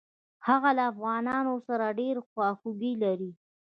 هغه له افغانانو سره ډېره خواخوږي لري.